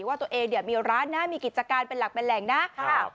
ว่าตัวเองเนี่ยมีร้านนะมีกิจการเป็นหลักเป็นแหล่งนะค่ะ